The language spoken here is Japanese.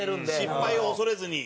失敗を恐れずに。